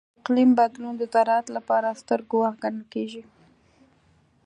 د اقلیم بدلون د زراعت لپاره ستر ګواښ ګڼل کېږي.